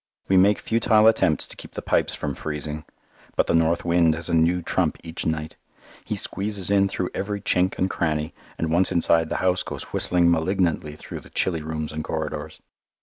We make futile attempts to keep the pipes from freezing; but the north wind has a new trump each night. He squeezes in through every chink and cranny, and once inside the house goes whistling malignantly through the chilly rooms and corridors.